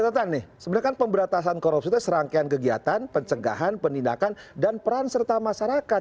dan catatan nih sebenarnya kan pemberatasan korupsi itu serangkaian kegiatan pencegahan penindakan dan peran serta masyarakat